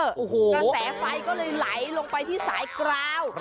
กระแสไฟก็เลยไหลลงไปที่สายกราว